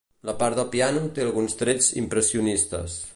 La part de piano té alguns trets impressionistes.